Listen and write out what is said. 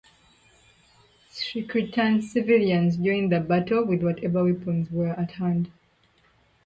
Cretan civilians joined the battle with whatever weapons were at hand.